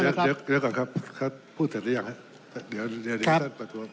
เดี๋ยวก่อนครับพูดเสร็จหรือยังครับเดี๋ยวท่านประท้วง